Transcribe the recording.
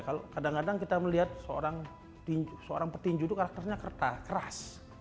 kalau kadang kadang kita melihat seorang petinju itu karakternya kertas keras